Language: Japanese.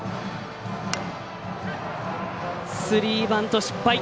スリーバント失敗。